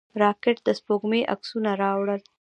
راکټ د سپوږمۍ عکسونه راوړل